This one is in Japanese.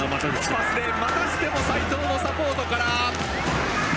またしても齋藤のサポートから。